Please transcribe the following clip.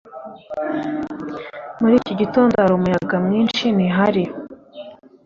Muri iki gitondo hari umuyaga mwinshi, ntihari?